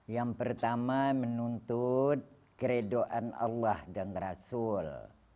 yang pertama menuntut keredoan allah dan rasul